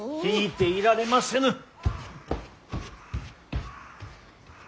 聞いていられませぬ。